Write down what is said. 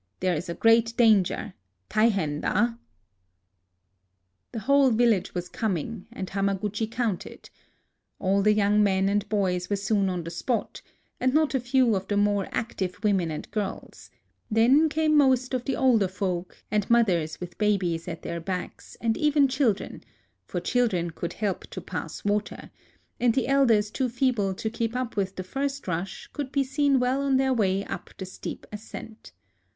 There is a great danger, — taihen da !" A LIVING GOD 23 The whole village was coming ; and Hama guchi counted. All the young men and boys were soon on the spot, and not a few of the more active women and girls ; then came most of the older folk, and mothers with babies at their backs, and even children, — for children could help to pass water ; and the elders too feeble to keep up with the first rush could be seen well on their way up the steep ascent.